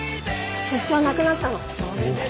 出張なくなったの。